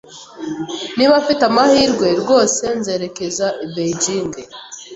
Niba mfite amahirwe, rwose nzerekeza i Beijing.